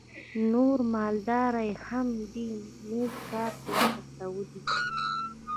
نور مالداره یې هم دې نېک کار ته هڅولي.